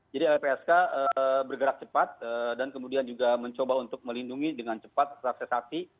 jadi lpsk bergerak cepat dan kemudian juga mencoba untuk melindungi dengan cepat saksi saksi